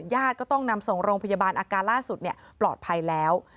ญาติก็ต้องนำส่งโรงพยาบาลอาการล่าสุดปลอดภัยแล้ว